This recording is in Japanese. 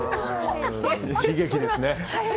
悲劇ですね。